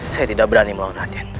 saya tidak berani maafkan raden